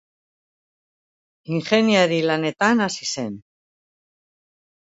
Ingeniari lanetan hasi zen.